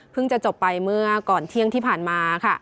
จะจบไปเมื่อก่อนเที่ยงที่ผ่านมาค่ะ